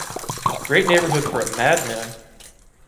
Great neighborhood for a madman!